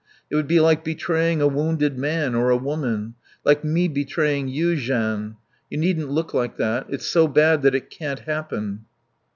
It would be like betraying a wounded man; or a woman. Like me betraying you, Jeanne. You needn't look like that. It's so bad that it can't happen."